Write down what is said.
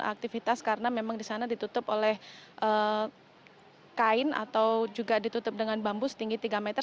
aktivitas karena memang di sana ditutup oleh kain atau juga ditutup dengan bambu setinggi tiga meter